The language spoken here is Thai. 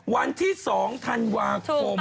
วันที่๒ธันวาคม